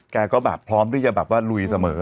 แกก็แบบพร้อมที่จะแบบว่าลุยเสมอ